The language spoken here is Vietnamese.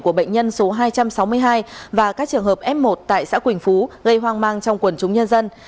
của bệnh nhân số hai trăm sáu mươi hai và các trường hợp f một tại xã quỳnh phú gây hoang mang trong quần chúng nhân dân